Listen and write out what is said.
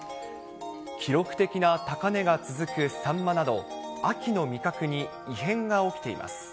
記録的な高値が続くサンマなど、秋の味覚に異変が起きています。